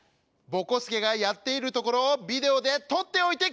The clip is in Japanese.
ぼこすけがやっているところをビデオでとっておいてください！